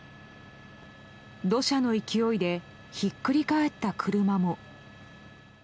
土砂の勢いでひっくり返った車も。